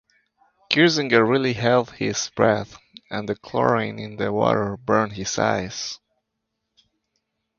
Kirzinger really held his breath, and the chlorine in the water burned his eyes.